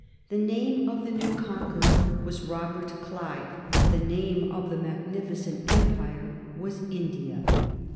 The name of the new conqueror was Robert Clive ; the name of the magnificent empire was India.